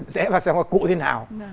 rẽ vào xem có cụ thế nào